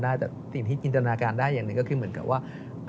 ได้แต่สิ่งที่จินตนาการได้อย่างหนึ่งก็คือเหมือนกับว่า